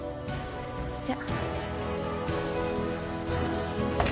じゃ。